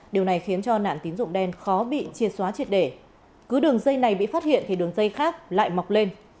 điều này khiến cho nạn tín dụng đen khó bị chia xóa triệt để cứ đường dây này bị phát hiện thì đường dây khác lại mọc lên